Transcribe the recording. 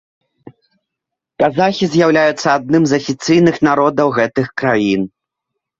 Казахі з'яўляюцца адным з афіцыйных народаў гэтых краін.